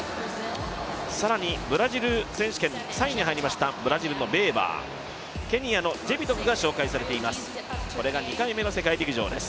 更にブラジル選手権３位に入りました、ブラジルのベーバー、ケニアのジェビトクが紹介されています、これが２回目の世界陸上です。